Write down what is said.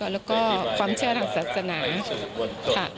แล้วก็ความเชื่อทางศาสนาค่ะ